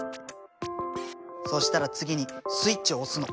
そしたら次にスイッチを押すの。